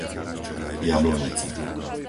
Jablonica